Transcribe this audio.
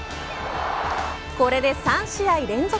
これで３試合連続